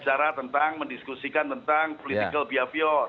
kita akan mendiskusikan tentang political behavior